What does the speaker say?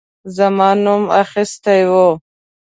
زما نوم اخیستی وو.